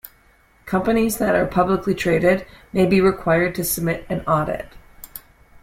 Companies that are publicly traded may be required to submit an audit.